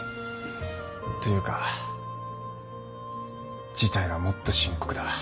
というか事態はもっと深刻だ。